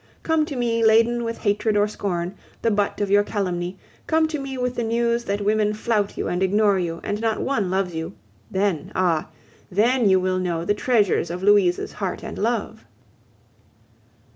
Come to me, laden with hatred or scorn, the butt of calumny, come to me with the news that women flout you and ignore you, and not one loves you; then, ah! then you will know the treasures of Louise's heart and love.